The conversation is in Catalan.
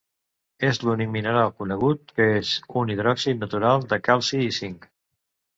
És l'únic mineral conegut que és un hidròxid natural de calci i zinc.